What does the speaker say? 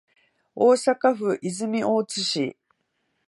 大阪府泉大津市